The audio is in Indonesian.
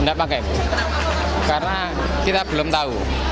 tidak pakai karena kita belum tahu